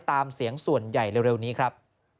ตามเสียงส่วนใหญ่เร็วนี้ครับ